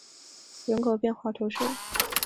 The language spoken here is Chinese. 圣波德雅尔拉人口变化图示